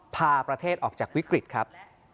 พาประเทศออกจากวิกฤตครับ